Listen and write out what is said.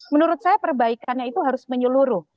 menurut saya perbaikannya itu harus menyeluruh